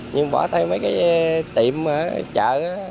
nhưng bỏ thay mấy cái tiệm chợ